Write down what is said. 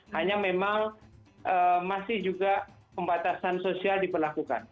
hanya memang masih juga pembatasan sosial diperlakukan